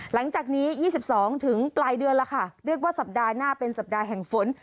หลังจากนี้๒๒ถึงปลายเดือนแล้วค่ะเรียกว่าสัปดาห์หน้าเป็นสัปดาห์แห่งฝน